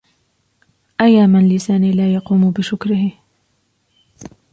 أيا من لساني لا يقوم بشكره